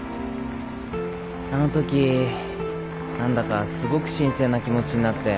あのとき何だかすごく神聖な気持ちになって。